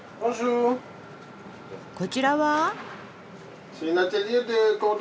こちらは？